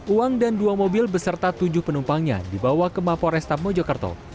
uang dan dua mobil beserta tujuh penumpangnya dibawa ke mapo resta mojokerto